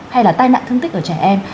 hay là tai nạn thương tích của trẻ em